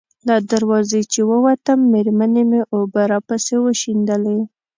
له دروازې چې ووتم، مېرمنې مې اوبه راپسې وشیندلې.